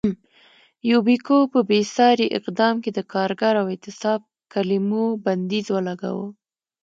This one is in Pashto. یوبیکو په بېساري اقدام کې د کارګر او اعتصاب کلیمو بندیز ولګاوه.